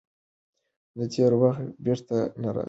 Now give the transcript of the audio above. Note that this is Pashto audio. تېر وخت بېرته نه راځي.